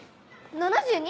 ７２？